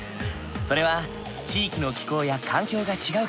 それは地域の気候や環境が違うから。